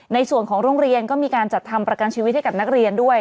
ในส่วนของโรงเรียนก็มีการจัดทำประกันชีวิตให้กับนักเรียนด้วย